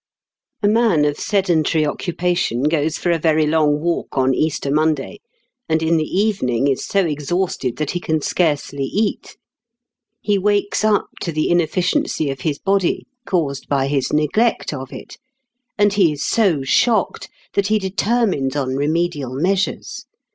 A man of sedentary occupation goes for a very long walk on Easter Monday, and in the evening is so exhausted that he can scarcely eat. He wakes up to the inefficiency of his body, caused by his neglect of it, and he is so shocked that he determines on remedial measures.